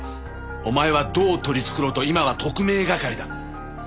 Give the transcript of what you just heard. お前はどう取り繕おうと今は特命係だ。